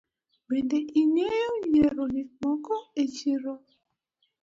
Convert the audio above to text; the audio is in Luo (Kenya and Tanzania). Bende ingeyo yiero gik moko e chiro.